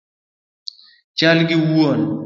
Chal gi wuon